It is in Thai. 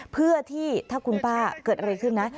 เพื่อที่ถ้าคุณป้าเกิดอะไรขึ้นนะ